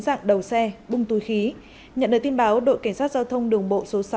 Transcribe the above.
dạng đầu xe bung túi khí nhận được tin báo đội cảnh sát giao thông đường bộ số sáu